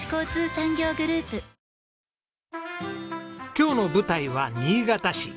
今日の舞台は新潟市。